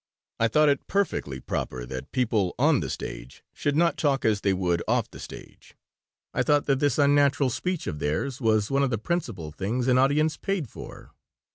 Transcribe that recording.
I thought it perfectly proper that people on the stage should not talk as they would off the stage. I thought that this unnatural speech of theirs was one of the principal things an audience paid for.